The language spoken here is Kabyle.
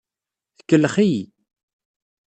Tkellex-iyi.